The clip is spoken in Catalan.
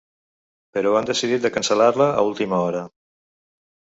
Però han decidit de cancel·lar-la a última hora.